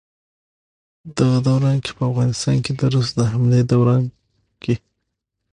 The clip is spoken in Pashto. دغه دوران کښې په افغانستان د روس د حملې دوران کښې